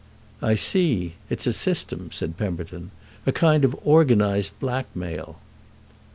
"I see—it's a system," said Pemberton. "A kind of organised blackmail."